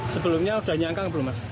sebelumnya udah nyangkang belum mas